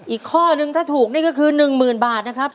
อีกข้อนึงถ้าถูกนี่ก็คือ๑๐๐๐บาทนะครับ